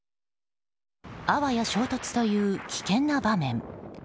あわや衝突という危険な場面。